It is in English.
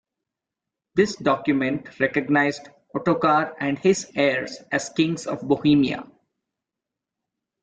This document recognised Ottokar and his heirs as Kings of Bohemia.